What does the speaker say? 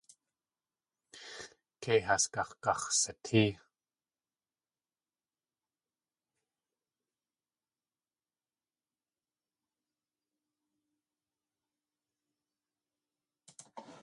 Kei has g̲ax̲gax̲satée.